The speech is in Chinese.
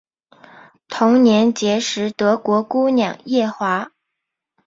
同年结识德国姑娘叶华。